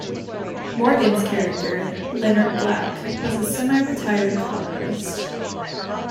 Morgan's character, Leonard Blacke, was a semiretired con artist.